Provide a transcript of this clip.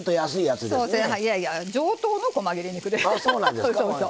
いやいや上等のこま切れ肉です。